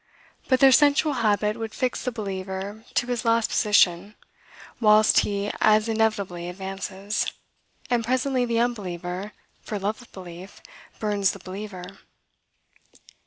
But their sensual habit would fix the believer to his last position, whilst he as inevitably advances; and presently the unbeliever, for love of belief, burns the believer.